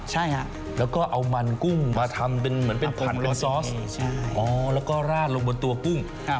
ใช่ฮะแล้วก็เอามันกุ้งมาทำเป็นเหมือนเป็นผัดโลซอสแล้วก็ราดลงบนตัวกุ้ง